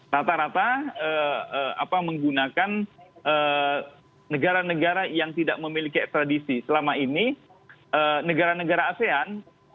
rata rata menggunakan negara negara yang tidak memiliki ekstradisi selama ini negara negara asean